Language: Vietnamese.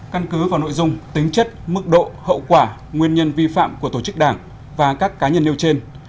căn cứ vào nội dung tính chất mức độ hậu quả nguyên nhân vi phạm của tổ chức đảng và các cá nhân nêu trên